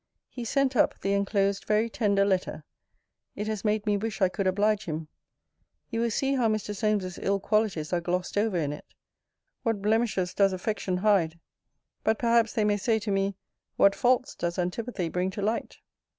He sent up the enclosed very tender letter. It has made me wish I could oblige him. You will see how Mr. Solmes's ill qualities are glossed over in it. What blemishes dies affection hide! But perhaps they may say to me, What faults does antipathy bring to light!